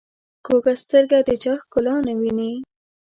کوږه سترګه د چا ښکلا نه ویني